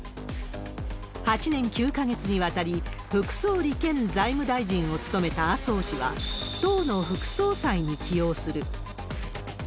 ８年９か月にわたり副総理兼財務大臣を務めた麻生氏は、党の副総裁に起用する。